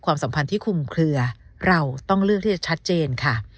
สัมพันธ์ที่คุมเคลือเราต้องเลือกที่จะชัดเจนค่ะ